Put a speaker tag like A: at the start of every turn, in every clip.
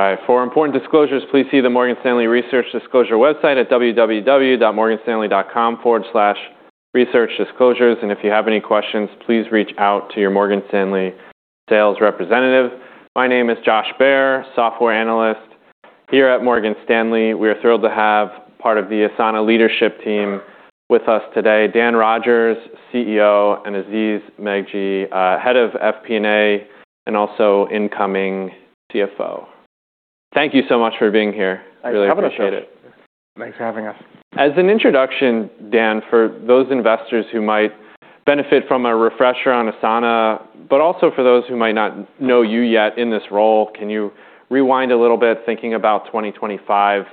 A: All right. For important disclosures, please see the Morgan Stanley Research Disclosure Website at www.morganstanley.com/researchdisclosures. If you have any questions, please reach out to your Morgan Stanley sales representative. My name is Josh Baer, software analyst here at Morgan Stanley. We are thrilled to have part of the Asana leadership team with us today, Dan Rogers, CEO, and Aziz Meghji, Head of FP&A and also Incoming CFO. Thank you so much for being here.
B: Thanks for having us, Josh.
A: Really appreciate it.
B: Thanks for having us.
A: As an introduction, Dan, for those investors who might benefit from a refresher on Asana, but also for those who might not know you yet in this role, can you rewind a little bit, thinking about 2025,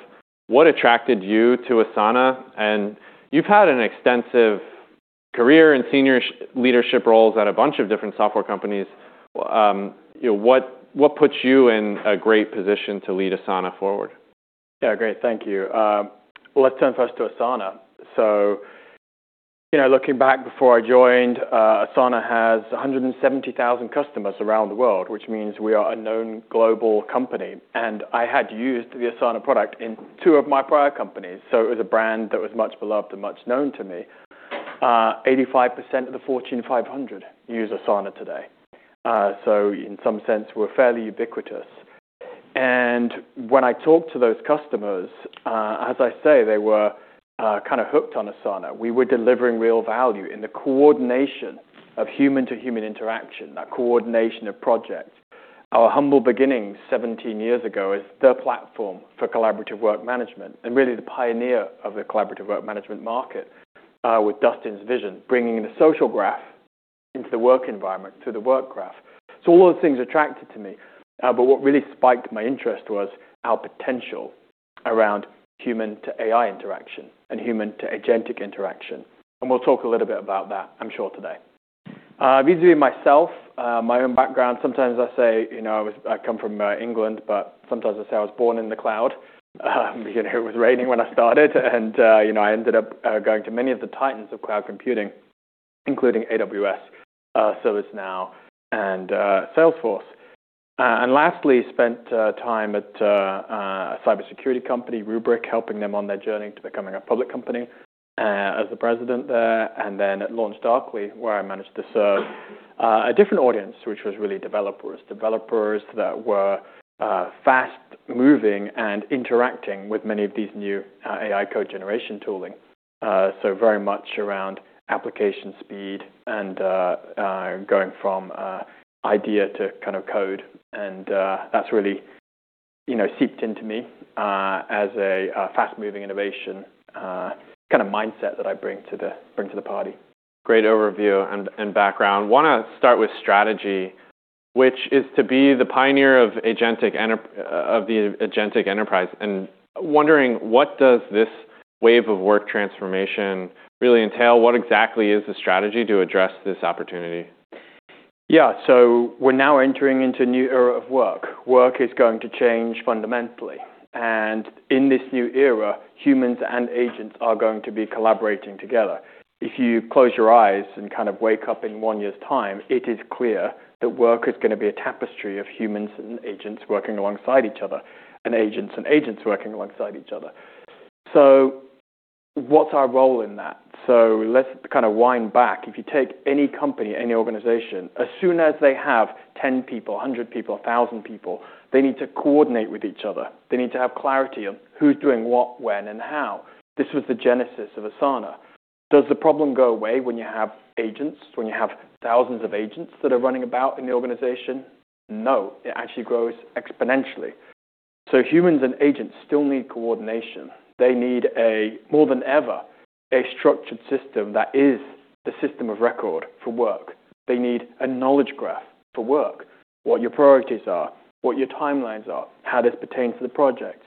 A: what attracted you to Asana? You've had an extensive career in senior leadership roles at a bunch of different software companies. You know, what puts you in a great position to lead Asana forward?
B: Yeah, great. Thank you. Let's turn first to Asana. You know, looking back before I joined, Asana has 170,000 customers around the world, which means we are a known global company, and I had used the Asana product in two of my prior companies, so it was a brand that was much beloved and much known to me. 85% of the Fortune 500 use Asana today. In some sense, we're fairly ubiquitous. When I talked to those customers, as I say, they were kind of hooked on Asana. We were delivering real value in the coordination of human-to-human interaction, that coordination of projects. Our humble beginnings 17 years ago is the platform for collaborative work management and really the pioneer of the collaborative work management market, with Dustin's vision, bringing the social graph into the work environment through the Work Graph. All of those things attracted to me. What really spiked my interest was our potential around human-to-AI interaction and human-to-agentic interaction. We'll talk a little bit about that, I'm sure today. Vis-à-vis myself, my own background, sometimes I say, you know, I come from England, sometimes I say I was born in the cloud. You know, it was raining when I started, you know, I ended up going to many of the titans of cloud computing, including AWS, ServiceNow, and Salesforce. Uh, and lastly, spent, uh, time at, uh, a cybersecurity company, Rubrik, helping them on their journey to becoming a public company, uh, as the president there, and then at LaunchDarkly, where I managed to serve, uh, a different audience, which was really developers, developers that were, uh, fast-moving and interacting with many of these new, uh, AI code generation tooling. Uh, so very much around application speed and, uh, uh, going from, uh, idea to kind of code. And, uh, that's really, you know, seeped into me, uh, as a, a fast-moving innovation, uh, kind of mindset that I bring to the-- bring to the party.
A: Great overview and background. Wanna start with strategy, which is to be the pioneer of the agentic enterprise. Wondering what does this wave of work transformation really entail? What exactly is the strategy to address this opportunity?
B: Yeah. We're now entering into a new era of work. Work is going to change fundamentally. In this new era, humans and agents are going to be collaborating together. If you close your eyes and kind of wake up in one year's time, it is clear that work is gonna be a tapestry of humans and agents working alongside each other, and agents and agents working alongside each other. What's our role in that? Let's kind of wind back. If you take any company, any organization, as soon as they have 10 people, 100 people, 1,000 people, they need to coordinate with each other. They need to have clarity on who's doing what, when, and how. This was the genesis of Asana. Does the problem go away when you have agents, when you have thousands of agents that are running about in the organization? No, it actually grows exponentially. Humans and agents still need coordination. They need a, more than ever, a structured system that is the system of record for work. They need a knowledge graph for work, what your priorities are, what your timelines are, how this pertains to the project,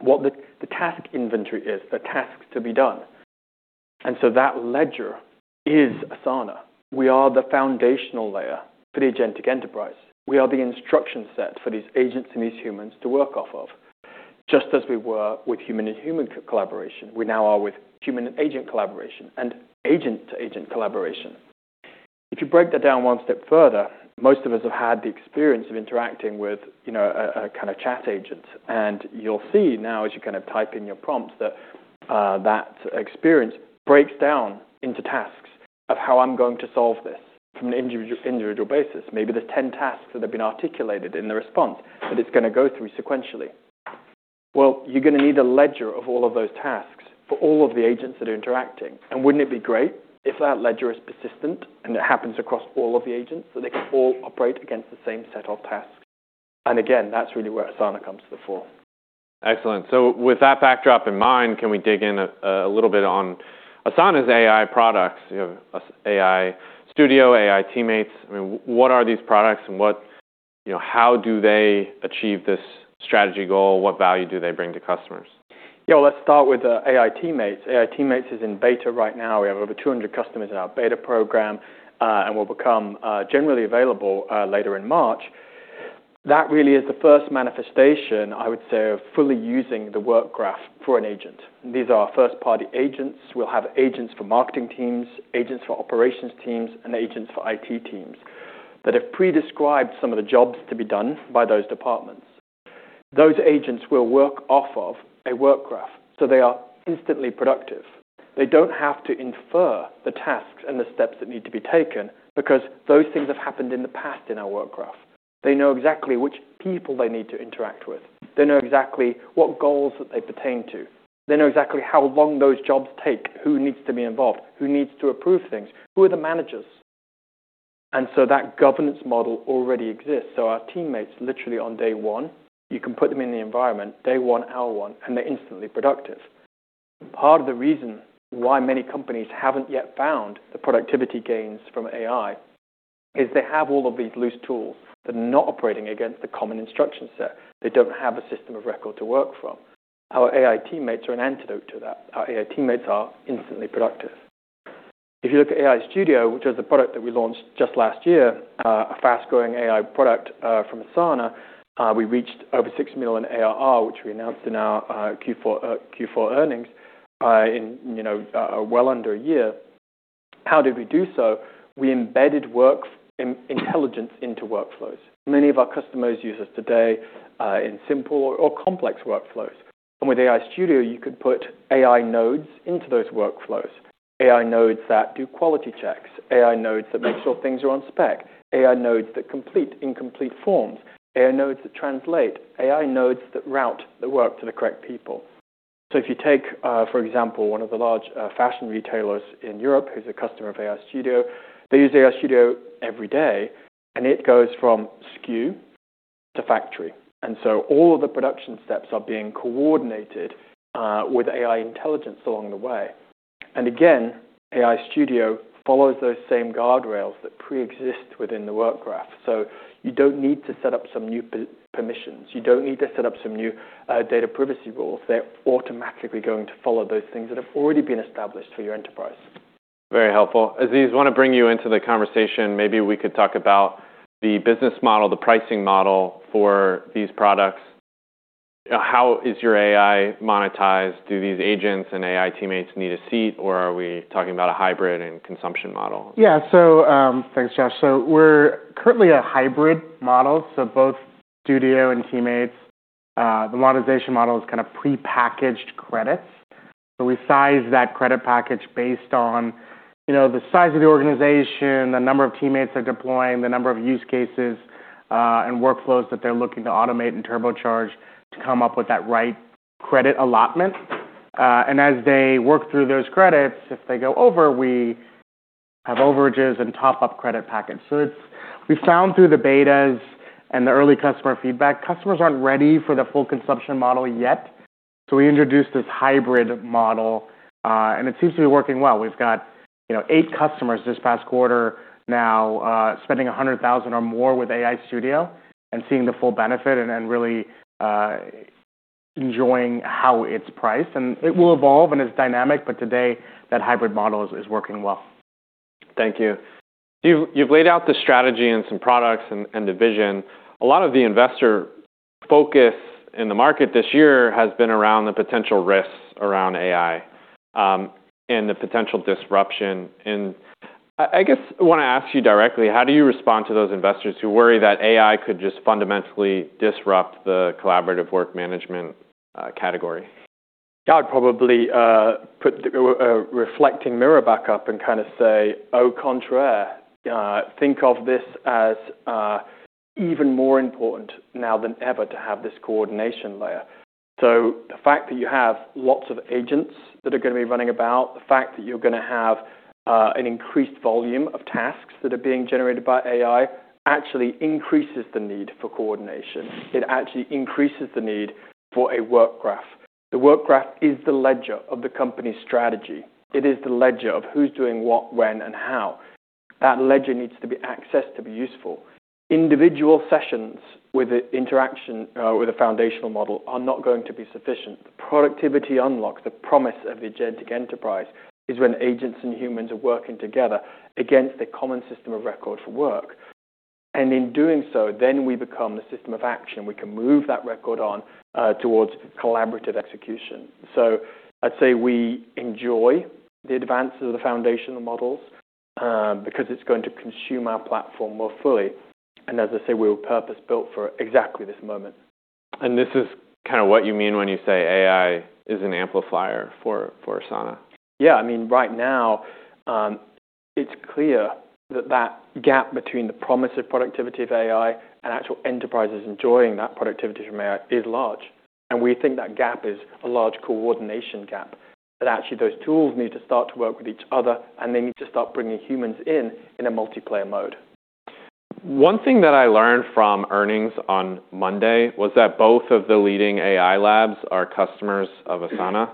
B: what the task inventory is, the tasks to be done. That ledger is Asana. We are the foundational layer for the agentic enterprise. We are the instruction set for these agents and these humans to work off of. Just as we were with human-to-human collaboration, we now are with human-to-agent collaboration and agent-to-agent collaboration. If you break that down one step further, most of us have had the experience of interacting with, you know, a kind of chat agent. You'll see now as you kind of type in your prompt that experience breaks down into tasks of how I'm going to solve this from an individual basis. Maybe there's 10 tasks that have been articulated in the response that it's gonna go through sequentially. Well, you're gonna need a ledger of all of those tasks for all of the agents that are interacting. Wouldn't it be great if that ledger is persistent and it happens across all of the agents, so they can all operate against the same set of tasks? Again, that's really where Asana comes to the fore.
A: Excellent. With that backdrop in mind, can we dig in a little bit on Asana's AI products? You have AI Studio, AI Teammates. I mean, what are these products and what, you know, how do they achieve this strategy goal? What value do they bring to customers?
B: Yeah. Let's start with AI Teammates. AI Teammates is in beta right now. We have over 200 customers in our beta program and will become generally available later in March. That really is the first manifestation, I would say, of fully using the Work Graph for an agent. These are our first-party agents. We'll have agents for marketing teams, agents for operations teams, and agents for IT teams that have pre-described some of the jobs to be done by those departments. Those agents will work off of a Work Graph, so they are instantly productive. They don't have to infer the tasks and the steps that need to be taken because those things have happened in the past in our Work Graph. They know exactly which people they need to interact with. They know exactly what goals that they pertain to. They know exactly how long those jobs take, who needs to be involved, who needs to approve things, who are the managers. That governance model already exists. Our AI teammates, literally on day one, you can put them in the environment, day one, hour one, and they're instantly productive. Part of the reason why many companies haven't yet found the productivity gains from AI is they have all of these loose tools that are not operating against the common instruction set. They don't have a system of record to work from. Our AI teammates are an antidote to that. Our AI teammates are instantly productive. If you look at AI Studio, which is a product that we launched just last year, a fast-growing AI product from Asana, we reached over $6 million ARR, which we announced in our Q4 Q4 earnings, in, you know, well under a year. How did we do so? We embedded work intelligence into workflows. Many of our customers use us today, in simple or complex workflows. With AI Studio, you could put AI nodes into those workflows, AI nodes that do quality checks, AI nodes that make sure things are on spec, AI nodes that complete incomplete forms, AI nodes that translate, AI nodes that route the work to the correct people. If you take, for example, one of the large fashion retailers in Europe, who's a customer of AI Studio, they use AI Studio every day, and it goes from SKU to factory. All of the production steps are being coordinated with AI intelligence along the way. AI Studio follows those same guardrails that preexist within the Work Graph. You don't need to set up some new per-permissions. You don't need to set up some new data privacy rules. They're automatically going to follow those things that have already been established for your enterprise.
A: Very helpful. Aziz, wanna bring you into the conversation. Maybe we could talk about the business model, the pricing model for these products. How is your AI monetized? Do these agents and AI Teammates need a seat, or are we talking about a hybrid and consumption model?
C: Thanks, Josh. We're currently a hybrid model, both Studio and Teammates, the monetization model is kinda prepackaged credits. We size that credit package based on, you know, the size of the organization, the number of Teammates they're deploying, the number of use cases, and workflows that they're looking to automate and turbocharge to come up with that right credit allotment. As they work through those credits, if they go over, we have overages and top-up credit package. We found through the betas and the early customer feedback, customers aren't ready for the full consumption model yet. We introduced this hybrid model, and it seems to be working well. We've got, you know, eight customers this past quarter now, spending $100,000 or more with AI Studio and seeing the full benefit and then really, enjoying how it's priced. It will evolve, and it's dynamic, but today that hybrid model is working well.
A: Thank you. You've laid out the strategy and some products and the vision. A lot of the investor focus in the market this year has been around the potential risks around AI and the potential disruption. I guess I wanna ask you directly, how do you respond to those investors who worry that AI could just fundamentally disrupt the collaborative work management category?
B: Yeah. I'd probably put a reflecting mirror back up and kinda say, "Au contraire," think of this as even more important now than ever to have this coordination layer. The fact that you have lots of agents that are gonna be running about, the fact that you're gonna have an increased volume of tasks that are being generated by AI actually increases the need for coordination. It actually increases the need for a Work Graph. The Work Graph is the ledger of the company's strategy. It is the ledger of who's doing what, when, and how. That ledger needs to be accessed to be useful. Individual sessions with the interaction with a foundational model are not going to be sufficient. The productivity unlocks, the promise of agentic enterprise is when agents and humans are working together against a common system of record for work. In doing so, then we become the system of action. We can move that record on, towards collaborative execution. I'd say we enjoy the advances of the foundational models, because it's going to consume our platform more fully. As I say, we were purpose-built for exactly this moment.
A: This is kinda what you mean when you say AI is an amplifier for Asana?
B: Yeah. I mean, right now, it's clear that that gap between the promise of productivity of AI and actual enterprises enjoying that productivity from AI is large. We think that gap is a large coordination gap, that actually those tools need to start to work with each other, and they need to start bringing humans in in a multiplayer mode.
A: One thing that I learned from earnings on Monday was that both of the leading AI labs are customers of Asana,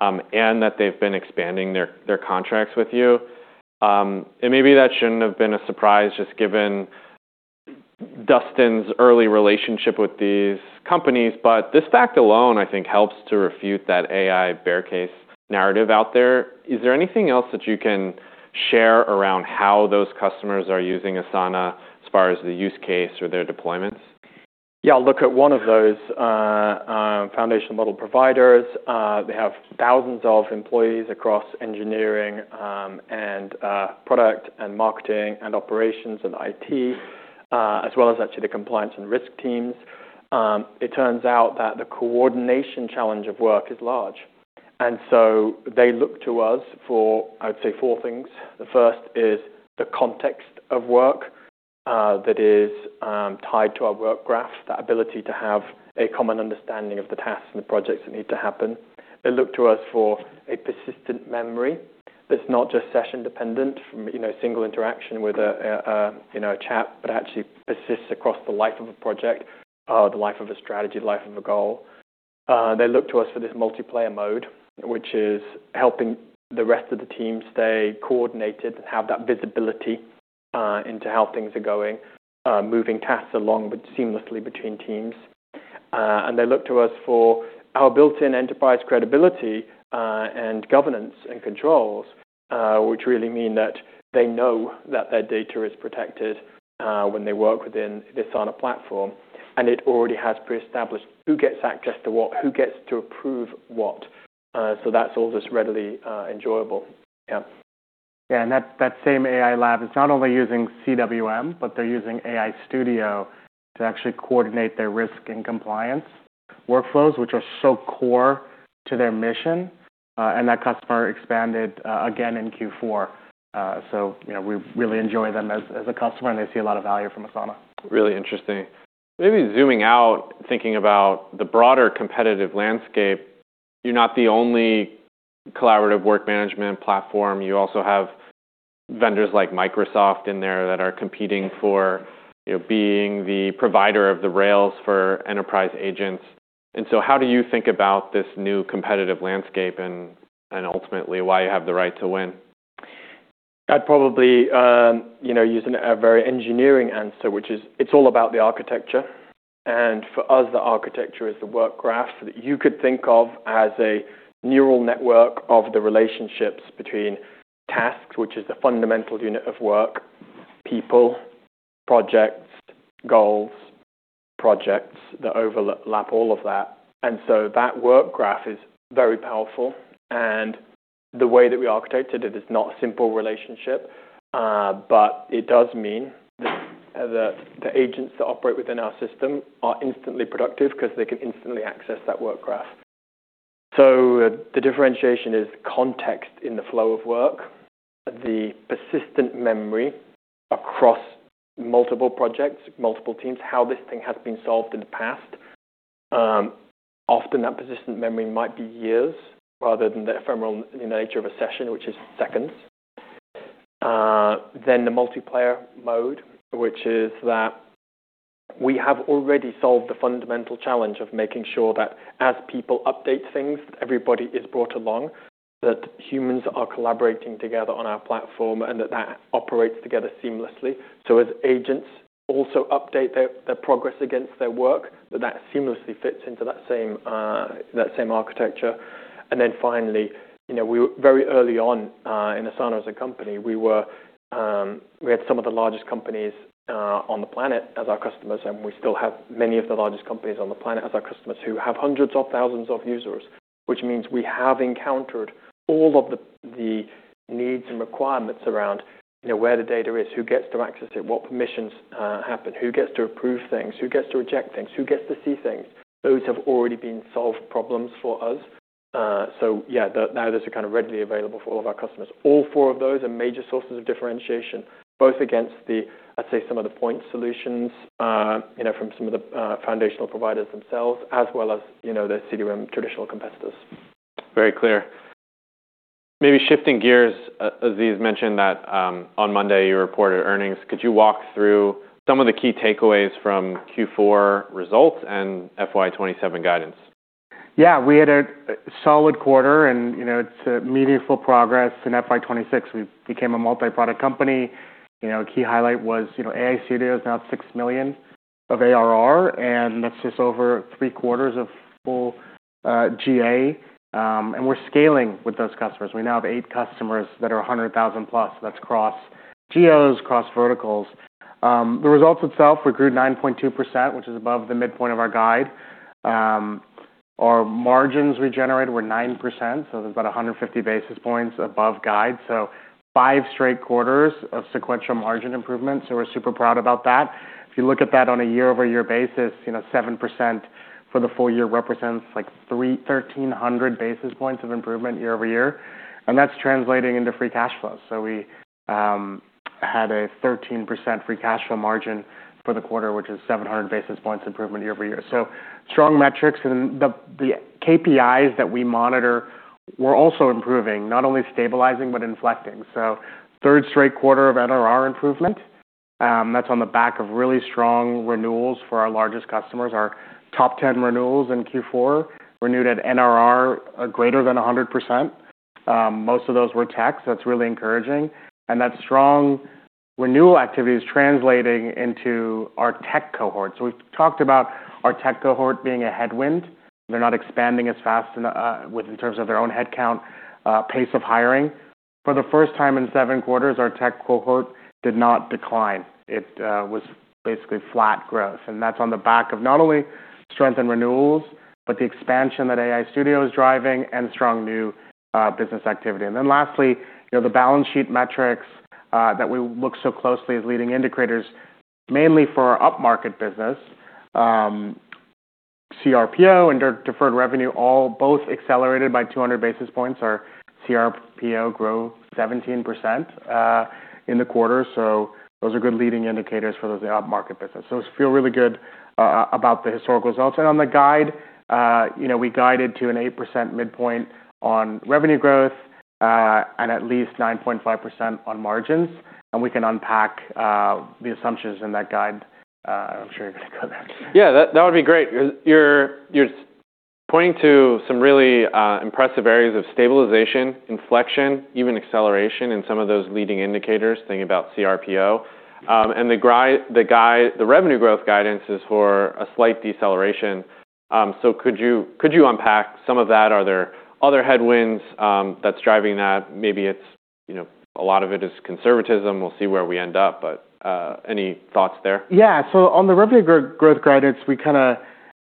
A: and that they've been expanding their contracts with you. Maybe that shouldn't have been a surprise, just given Dustin's early relationship with these companies. This fact alone, I think, helps to refute that AI bear case narrative out there. Is there anything else that you can share around how those customers are using Asana as far as the use case or their deployments?
B: Yeah. Look, at one of those foundation model providers, they have thousands of employees across engineering, and product and marketing and operations and IT, as well as actually the compliance and risk teams. It turns out that the coordination challenge of work is large. They look to us for, I would say, four things. The first is the context of work, that is, tied to our Work Graph, that ability to have a common understanding of the tasks and the projects that need to happen. They look to us for a persistent memory that's not just session dependent from, you know, single interaction with a, you know, a chat, but actually persists across the life of a project, the life of a strategy, the life of a goal. They look to us for this multiplayer mode, which is helping the rest of the team stay coordinated and have that visibility into how things are going, moving tasks along with seamlessly between teams. They look to us for our built-in enterprise credibility and governance and controls, which really mean that they know that their data is protected when they work within this Asana platform. It already has pre-established who gets access to what, who gets to approve what. So that's all just readily enjoyable. Yeah.
C: Yeah. That, that same AI lab is not only using CWM, but they're using AI Studio to actually coordinate their risk and compliance workflows, which are so core to their mission. That customer expanded again in Q4. You know, we really enjoy them as a customer, and they see a lot of value from Asana.
A: Really interesting. Maybe zooming out, thinking about the broader competitive landscape. You're not the only collaborative work management platform. You also have vendors like Microsoft in there that are competing for, you know, being the provider of the rails for enterprise agents. How do you think about this new competitive landscape and ultimately why you have the right to win?
B: I'd probably, you know, use a very engineering answer, which is it's all about the architecture. For us, the architecture is the Work Graph that you could think of as a neural network of the relationships between tasks, which is the fundamental unit of work, people, projects, goals, projects that overlap all of that. That Work Graph is very powerful. The way that we architected it is not a simple relationship, but it does mean that the agents that operate within our system are instantly productive 'cause they can instantly access that Work Graph. The differentiation is context in the flow of work, the persistent memory across multiple projects, multiple teams, how this thing has been solved in the past. Often that persistent memory might be years rather than the ephemeral nature of a session, which is seconds. The multiplayer mode, which is that we have already solved the fundamental challenge of making sure that as people update things, everybody is brought along, that humans are collaborating together on our platform, and that operates together seamlessly. As agents also update their progress against their work, that seamlessly fits into that same architecture. Finally, you know, we very early on in Asana as a company, we were, we had some of the largest companies on the planet as our customers, and we still have many of the largest companies on the planet as our customers who have hundreds of thousands of users, which means we have encountered all of the needs and requirements around, you know, where the data is, who gets to access it, what permissions happen, who gets to approve things, who gets to reject things, who gets to see things. Those have already been solved problems for us. Yeah, now those are kind of readily available for all of our customers. All four of those are major sources of differentiation, both against the, I'd say some of the point solutions, you know, from some of the foundational providers themselves as well as, you know, the CD-ROM traditional competitors.
A: Very clear. Maybe shifting gears, Aziz mentioned that, on Monday, you reported earnings. Could you walk through some of the key takeaways from Q4 results and FY27 guidance?
C: Yeah. We had a solid quarter and, you know, it's a meaningful progress. In FY26, we became a multi-product company. You know, a key highlight was, you know, AI Studio is now at $6 million of ARR, and that's just over three-quarters of full GA. We're scaling with those customers. We now have eight customers that are $100,000+. That's across geos, across verticals. The results itself, we grew 9.2%, which is above the midpoint of our guide. Our margins we generated were 9%, that's about 150 basis points above guide. Five straight quarters of sequential margin improvements, so we're super proud about that. If you look at that on a year-over-year basis, you know, 7% for the full year represents like 1,300 basis points of improvement year-over-year. That's translating into free cash flow. We had a 13% free cash flow margin for the quarter, which is 700 basis points improvement year-over-year. Strong metrics. The KPIs that we monitor were also improving, not only stabilizing but inflecting. Third straight quarter of NRR improvement, that's on the back of really strong renewals for our largest customers. Our top 10 renewals in Q4 renewed at NRR greater than 100%. Most of those were tech, that's really encouraging. That strong renewal activity is translating into our tech cohort. We've talked about our tech cohort being a headwind. They're not expanding as fast in terms of their own headcount, pace of hiring. For the first time in 7 quarters, our tech cohort did not decline. It was basically flat growth, and that's on the back of not only strength and renewals, but the expansion that AI Studio is driving and strong new business activity. Lastly, you know, the balance sheet metrics that we look so closely as leading indicators, mainly for our up-market business, CRPO and deferred revenue all both accelerated by 200 basis points. Our CRPO grew 17% in the quarter. Those are good leading indicators for those up-market business. Feel really good about the historical results. On the guide, you know, we guided to an 8% midpoint on revenue growth, and at least 9.5% on margins, and we can unpack the assumptions in that guide. I'm sure you're gonna go there.
A: Yeah, that would be great. You're pointing to some really impressive areas of stabilization, inflection, even acceleration in some of those leading indicators, thinking about CRPO. The revenue growth guidance is for a slight deceleration. Could you unpack some of that? Are there other headwinds that's driving that? Maybe it's, you know, a lot of it is conservatism. We'll see where we end up. Any thoughts there?
C: Yeah. On the revenue growth guidance, we kinda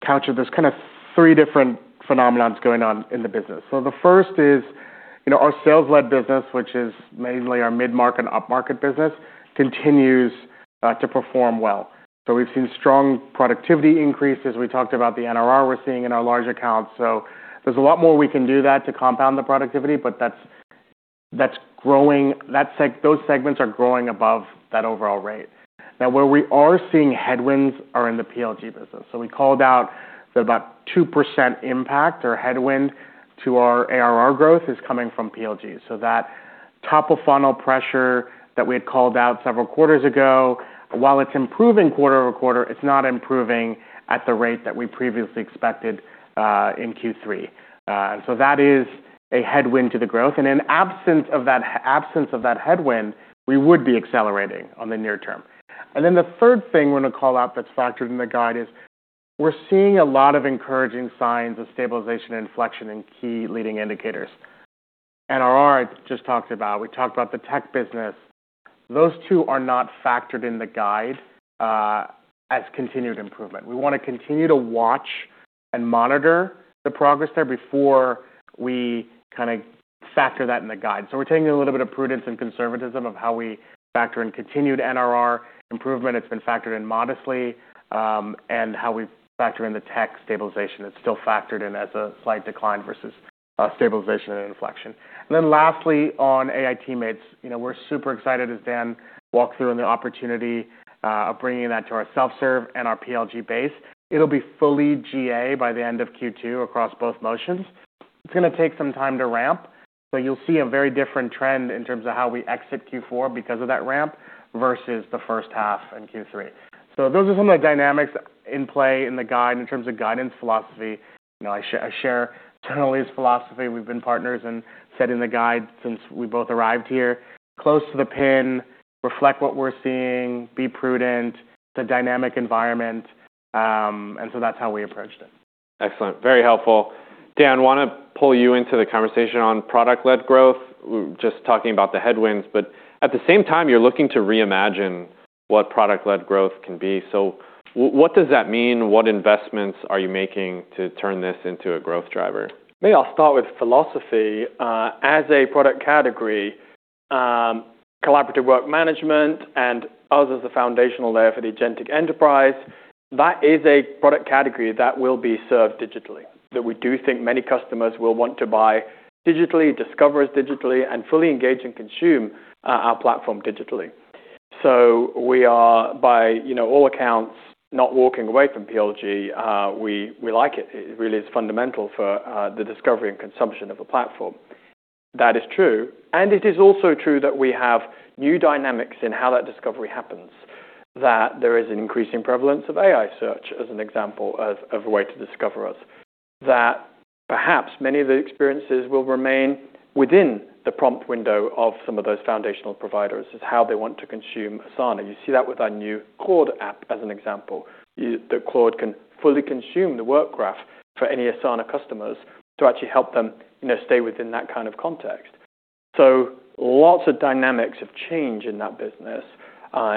C: capture... There's kind of three different phenomena going on in the business. The first is, you know, our sales-led business, which is mainly our mid-market, up-market business, continues to perform well. We've seen strong productivity increases. We talked about the NRR we're seeing in our large accounts. There's a lot more we can do that to compound the productivity, but that's growing. Those segments are growing above that overall rate. Now, where we are seeing headwinds are in the PLG business. We called out the about 2% impact or headwind to our ARR growth is coming from PLG. That top-of-funnel pressure that we had called out several quarters ago, while it's improving quarter-over-quarter, it's not improving at the rate that we previously expected in Q3. That is a headwind to the growth. In absence of that headwind, we would be accelerating on the near term. The third thing we're gonna call out that's factored in the guide is we're seeing a lot of encouraging signs of stabilization and inflection in key leading indicators. NRR, I just talked about, we talked about the tech business. Those two are not factored in the guide as continued improvement. We wanna continue to watch and monitor the progress there before we kinda factor that in the guide. We're taking a little bit of prudence and conservatism of how we factor in continued NRR improvement. It's been factored in modestly, and how we factor in the tech stabilization. It's still factored in as a slight decline versus stabilization and inflection. Lastly, on AI Teammates, you know, we're super excited as Dan walked through in the opportunity of bringing that to our self-serve and our PLG base. It'll be fully GA by the end of Q2 across both motions. It's gonna take some time to ramp, but you'll see a very different trend in terms of how we exit Q4 because of that ramp versus the first half in Q3. Those are some of the dynamics in play in the guide in terms of guidance philosophy. You know, I share generally his philosophy. We've been partners and set in the guide since we both arrived here. Close to the pin, reflect what we're seeing, be prudent, it's a dynamic environment, that's how we approached it.
A: Excellent. Very helpful. Dan, wanna pull you into the conversation on product-led growth. We're just talking about the headwinds, but at the same time, you're looking to reimagine what product-led growth can be. What does that mean? What investments are you making to turn this into a growth driver?
B: Maybe I'll start with philosophy. As a product category, collaborative work management and others, the foundational layer for the agentic enterprise, that is a product category that will be served digitally, that we do think many customers will want to buy digitally, discover us digitally, and fully engage and consume, our platform digitally. We are by, you know, all accounts, not walking away from PLG. We, we like it. It really is fundamental for the discovery and consumption of a platform. That is true, and it is also true that we have new dynamics in how that discovery happens, that there is an increasing prevalence of AI search as an example of a way to discover us, that perhaps many of the experiences will remain within the prompt window of some of those foundational providers is how they want to consume Asana. You see that with our new Claude app as an example. That Claude can fully consume the Work Graph for any Asana customers to actually help them, you know, stay within that kind of context. Lots of dynamics of change in that business.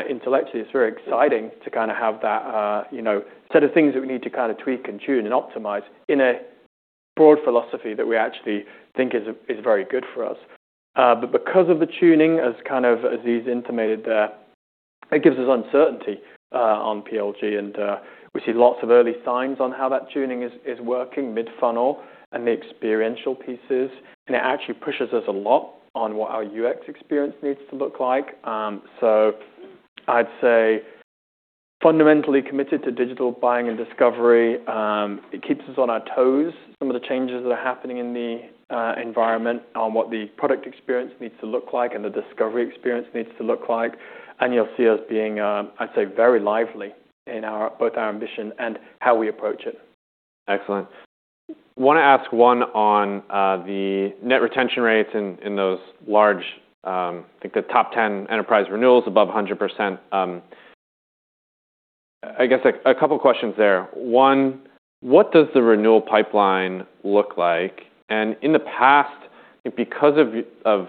B: Intellectually, it's very exciting to kind of have that, you know, set of things that we need to kind of tweak and tune and optimize in a broad philosophy that we actually think is very good for us. But because of the tuning, as kind of Aziz intimated there, it gives us uncertainty on PLG, and we see lots of early signs on how that tuning is working mid-funnel and the experiential pieces. It actually pushes us a lot on what our UX experience needs to look like. I'd say fundamentally committed to digital buying and discovery, it keeps us on our toes. Some of the changes that are happening in the environment on what the product experience needs to look like and the discovery experience needs to look like. You'll see us being, I'd say, very lively in our both our ambition and how we approach it.
A: Excellent. Wanna ask one on the net retention rates in those large, I think the top 10 enterprise renewals above 100%, I guess a couple questions there. One, what does the renewal pipeline look like? In the past, because of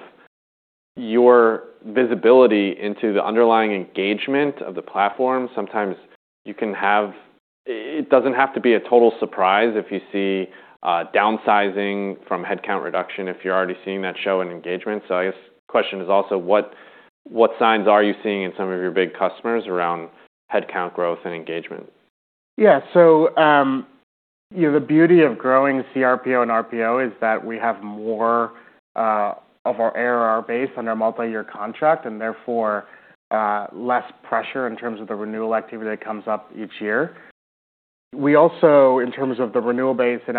A: your visibility into the underlying engagement of the platform, sometimes you can have... it doesn't have to be a total surprise if you see downsizing from headcount reduction if you're already seeing that show in engagement. I guess the question is also what signs are you seeing in some of your big customers around headcount growth and engagement?
C: Yeah. You know, the beauty of growing CRPO and RPO is that we have more of our ARR base under multi-year contract. Less pressure in terms of the renewal activity that comes up each year. We also, in terms of the renewal base in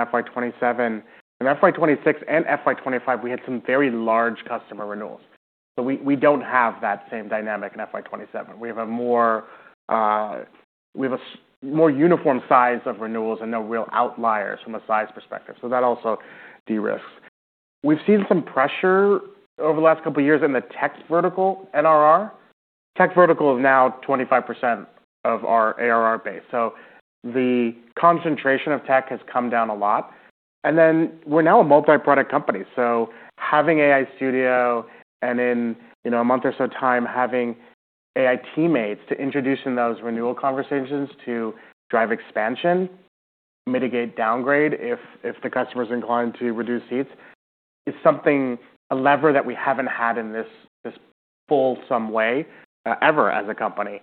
C: FY26 and FY25, we had some very large customer renewals. We don't have that same dynamic in FY27. We have a more uniform size of renewals and no real outliers from a size perspective. That also de-risks. We've seen some pressure over the last couple of years in the tech vertical NRR. Tech vertical is now 25% of our ARR base. The concentration of tech has come down a lot. We're now a multi-product company, so having AI Studio and in, you know, a month or so time, having AI Teammates to introduce in those renewal conversations to drive expansion, mitigate downgrade if the customer is inclined to reduce seats, is something, a lever that we haven't had in this fulsome way ever as a company.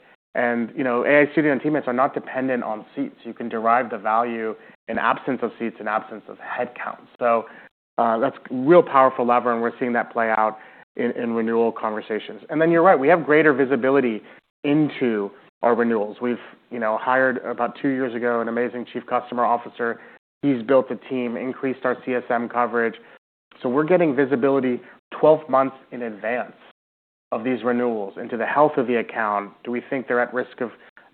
C: You know, AI Studio and AI Teammates are not dependent on seats. You can derive the value in absence of seats, in absence of headcounts. That's real powerful lever, and we're seeing that play out in renewal conversations. You're right, we have greater visibility into our renewals. We've, you know, hired about two years ago, an amazing chief customer officer. He's built a team, increased our CSM coverage. We're getting visibility 12 months in advance of these renewals into the health of the account. Do we think they're at risk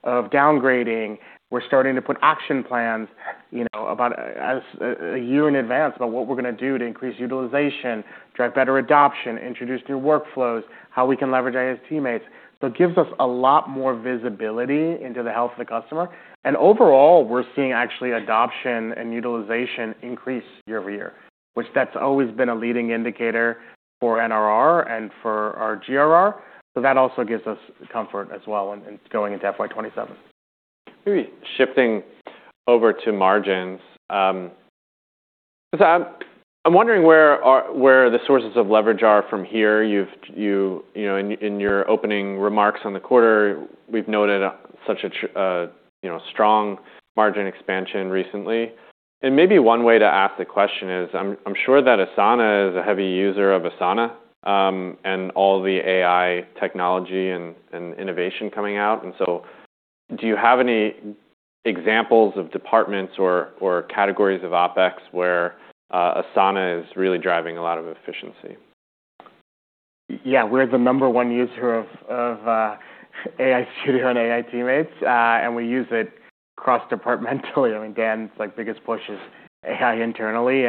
C: of downgrading? We're starting to put action plans, you know, about a year in advance about what we're gonna do to increase utilization, drive better adoption, introduce new workflows, how we can leverage AI Teammates. It gives us a lot more visibility into the health of the customer. Overall, we're seeing actually adoption and utilization increase year-over-year, which that's always been a leading indicator for NRR and for our GRR. That also gives us comfort as well in going into FY27.
A: Maybe shifting over to margins, so I'm wondering where the sources of leverage are from here. You know, in your opening remarks on the quarter, we've noted such a strong margin expansion recently. Maybe one way to ask the question is, I'm sure that Asana is a heavy user of Asana, and all the AI technology and innovation coming out. Do you have any examples of departments or categories of OpEx where Asana is really driving a lot of efficiency?
C: Yeah. We're the number one user of AI Studio and AI Teammates, and we use it cross-departmentally. I mean, Dan's, like, biggest push is AI internally.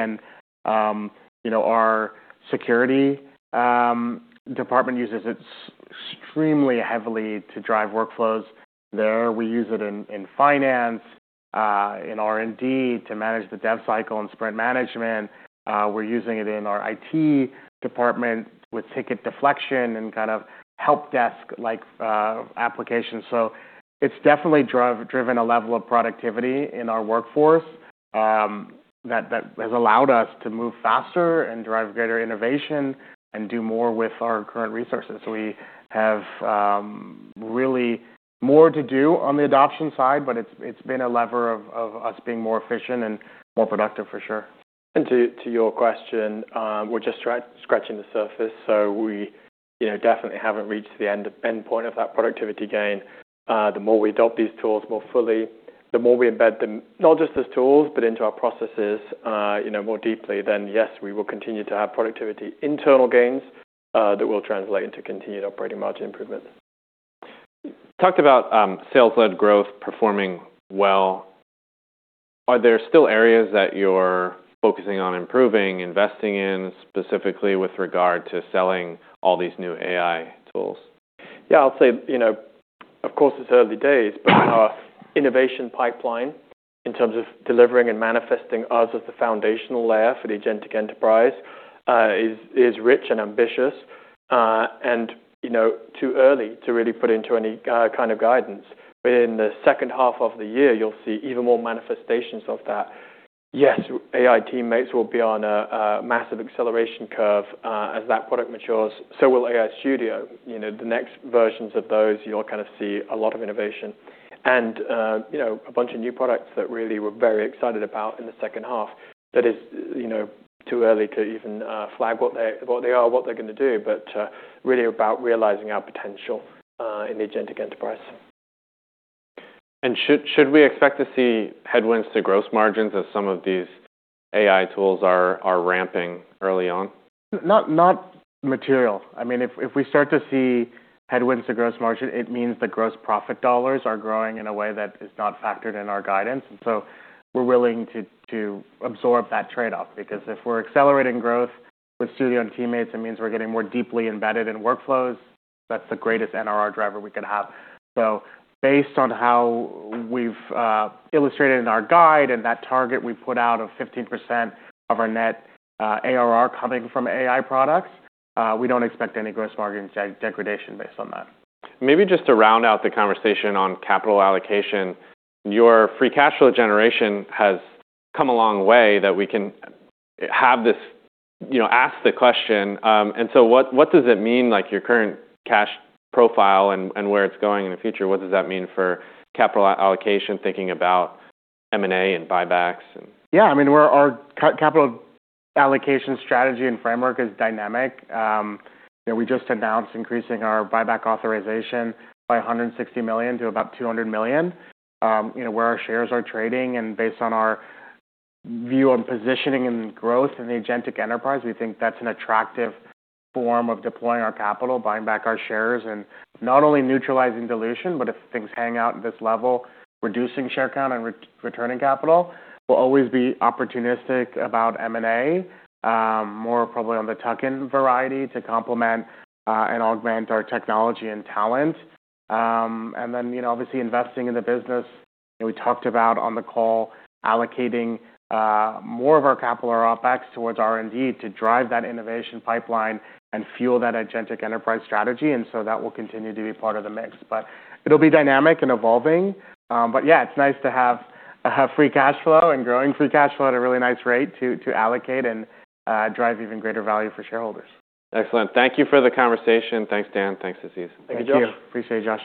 C: You know, our security department uses it extremely heavily to drive workflows there. We use it in finance, in R&D to manage the dev cycle and spread management. We're using it in our IT department with ticket deflection and kind of help desk like applications. It's definitely driven a level of productivity in our workforce that has allowed us to move faster and drive greater innovation and do more with our current resources. We have really more to do on the adoption side, but it's been a lever of us being more efficient and more productive for sure.
B: To, to your question, we're just scratching the surface, so we, you know, definitely haven't reached the endpoint of that productivity gain. The more we adopt these tools more fully, the more we embed them, not just as tools, but into our processes, you know, more deeply, then yes, we will continue to have productivity internal gains, that will translate into continued operating margin improvement.
A: Talked about sales-led growth performing well. Are there still areas that you're focusing on improving, investing in specifically with regard to selling all these new AI tools?
B: I'll say, you know, of course, it's early days, but our innovation pipeline in terms of delivering and manifesting us as the foundational layer for the agentic enterprise, is rich and ambitious, and, you know, too early to really put into any kind of guidance. In the second half of the year, you'll see even more manifestations of that. AI Teammates will be on a massive acceleration curve, as that product matures, so will AI Studio. You know, the next versions of those, you'll kind of see a lot of innovation and, you know, a bunch of new products that really we're very excited about in the second half that is, you know, too early to even flag what they are, what they're gonna do, but really about realizing our potential in the agentic enterprise.
A: Should we expect to see headwinds to gross margins as some of these AI tools are ramping early on?
C: Not material. I mean, if we start to see headwinds to gross margin, it means the gross profit dollars are growing in a way that is not factored in our guidance. We're willing to absorb that trade-off because if we're accelerating growth with Studio and teammates, it means we're getting more deeply embedded in workflows. That's the greatest NRR driver we could have. Based on how we've illustrated in our guide and that target we put out of 15% of our net ARR coming from AI products, we don't expect any gross margin degradation based on that.
A: Maybe just to round out the conversation on capital allocation, your free cash flow generation has come a long way that we can have this, you know, ask the question. What, what does it mean, like, your current cash profile and where it's going in the future? What does that mean for capital allocation, thinking about M&A and buybacks and?
C: Yeah. I mean, our capital allocation strategy and framework is dynamic. you know, we just announced increasing our buyback authorization by $160 million to about $200 million, you know, where our shares are trading and based on our view on positioning and growth in the agentic enterprise. We think that's an attractive form of deploying our capital, buying back our shares, and not only neutralizing dilution, but if things hang out at this level, reducing share count and re-returning capital. We'll always be opportunistic about M&A, more probably on the tuck-in variety to complement and augment our technology and talent. Then, you know, obviously investing in the business. You know, we talked about on the call allocating more of our capital or OpEx towards R&D to drive that innovation pipeline and fuel that agentic enterprise strategy. That will continue to be part of the mix. It'll be dynamic and evolving. It's nice to have free cash flow and growing free cash flow at a really nice rate to allocate and drive even greater value for shareholders.
A: Excellent. Thank you for the conversation. Thanks, Dan. Thanks, Aziz.
B: Thank you, Josh.
C: Thank you. Appreciate it, Josh.